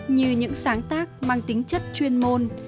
như những sáng tác mang tính chất chuyên môn